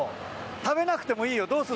食べなくてもいいよどうする？